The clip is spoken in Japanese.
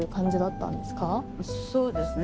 そうですね。